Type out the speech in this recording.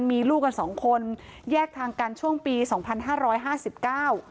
มีลูกกันสองคนแยกทางกันช่วงปีสองพันห้าร้อยห้าสิบเก้า